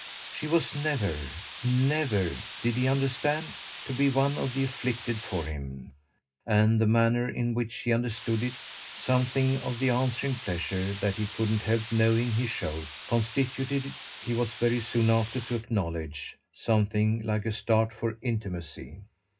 She was never, never did he understand? to be one of the afflicted for him; and the manner in which he understood it, something of the answering pleasure that he couldn't help knowing he showed, constituted, he was very soon after to acknowledge, something like a start for intimacy.